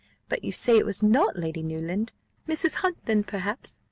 But you say it was not Lady Newland? Mrs. Hunt then perhaps?